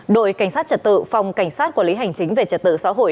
đội cảnh sát trật tự phòng cảnh sát quản lý hành chính về trật tự xã hội